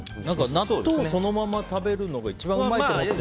納豆をそのまま食べるのが一番うまいと思ってる。